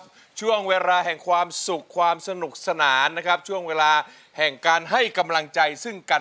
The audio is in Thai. โดยผู้เข้าแข่งขันมีสิทธิ์ใช้ตัวช่วย๓ใน๖แผ่นป้ายตลอดการแข่งขัน